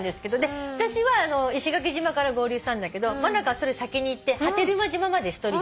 私は石垣島から合流したんだけど真香は先に行って波照間島まで１人で。